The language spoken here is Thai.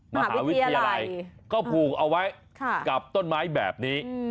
มหาวิทยาลัยก็ผูกเอาไว้กับต้นไม้แบบนี้